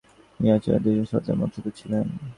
তিনি আচেহর দুইজন সুলতানের বংশধর ছিলেন।